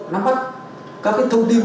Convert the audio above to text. nắm bắt các thông tin